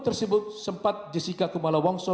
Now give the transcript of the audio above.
tersebut sempat jessica kumala wongso